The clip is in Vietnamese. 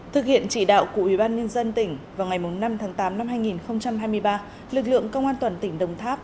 thực hiện trị đạo của ubnd tỉnh vào ngày năm tháng tám năm hai nghìn hai mươi ba lực lượng công an toàn tỉnh đồng tháp